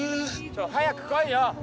早く来いよ！